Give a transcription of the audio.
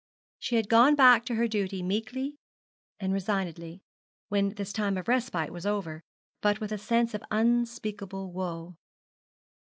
She had gone back to her duty meekly and resignedly when this time of respite was over, but with a sense of unspeakable woe.